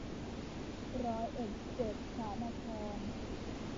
ร้อยเอ็ดเจ็ดพระนคร